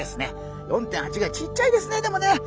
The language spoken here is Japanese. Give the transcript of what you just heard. ちっちゃいですねでもね。